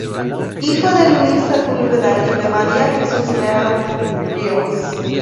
Hijo de Luis Sepúlveda y de María Jesús Leal Ríos.